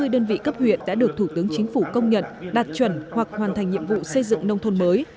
ba mươi đơn vị cấp huyện đã được thủ tướng chính phủ công nhận đạt chuẩn hoặc hoàn thành nhiệm vụ xây dựng nông thôn mới